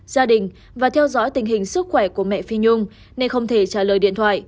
gia đình và theo dõi tình hình sức khỏe của mẹ phi nhung nên không thể trả lời điện thoại